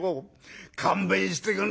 勘弁してくんね」。